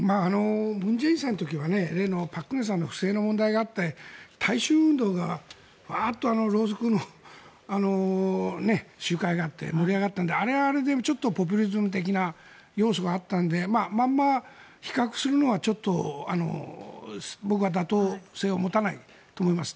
文在寅さんの時は例の朴槿惠さんの不正の問題があって大衆運動がバーッとろうそくの集会があって盛り上がったので、あれはあれでポピュリズム的な要素があったのでまんま比較するのはちょっと僕は妥当性を持たないと思います。